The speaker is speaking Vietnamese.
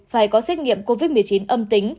phải có xét nghiệm covid một mươi chín âm tính